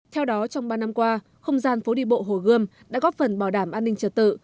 theo đó trong ba năm qua không gian phố đi bộ hồ gươm đã góp phần bảo đảm an ninh trật tự